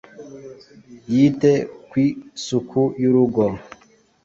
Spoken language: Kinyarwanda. yite kwi suku y’urugo,